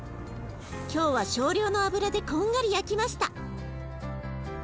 今日は少量の油でこんがり焼きました。